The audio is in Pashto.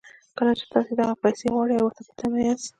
کله چې تاسې دغه پيسې غواړئ او ورته په تمه ياست.